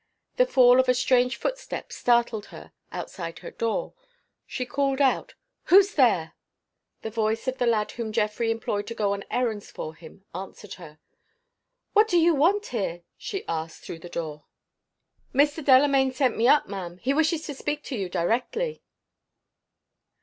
The fall of a strange footstep startled her outside her door. She called out, "Who's there?" The voice of the lad whom Geoffrey employed to go on errands for him answered her. "What do you want here?" she asked, through the door. "Mr. Delamayn sent me up, ma'am. He wishes to speak to you directly."